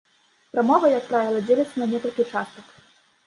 Прамова, як правіла, дзеліцца на некалькі частак.